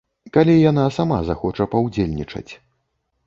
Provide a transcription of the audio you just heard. Калі яна сама захоча паўдзельнічаць.